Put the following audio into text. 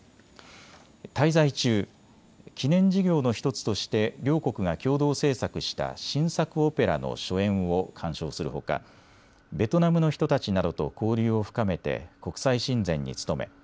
滞在中、記念事業の１つとして両国が共同制作した新作オペラの初演を鑑賞するほかベトナムの人たちなどと交流を深めて国際親善に努め